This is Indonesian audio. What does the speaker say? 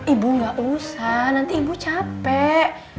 ibu gak usah nanti ibu capek